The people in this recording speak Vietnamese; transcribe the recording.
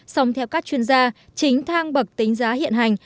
song theo các chuyên gia chính thang bậc tính giá hiện hành